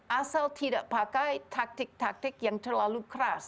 asal tidak pakai taktik taktik yang terlalu keras